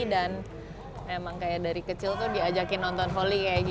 dan memang dari kecil diajakin nonton volley